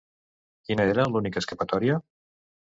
Quina era l'única escapatòria?